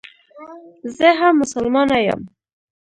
زه هم مسلمانه یم.